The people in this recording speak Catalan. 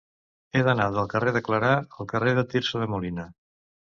He d'anar del carrer de Clarà al carrer de Tirso de Molina.